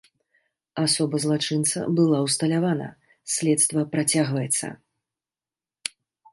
Асоба злачынца была ўсталявана, следства працягваецца.